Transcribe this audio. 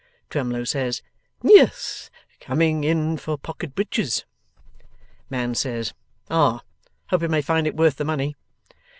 Twemlow says, 'Yes. Coming in for Pocket Breaches.' Man says, 'Ah! Hope he may find it worth the money!